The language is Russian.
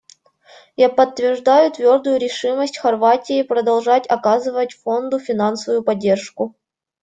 Я подтверждаю твердую решимость Хорватии продолжать оказывать Фонду финансовую поддержку.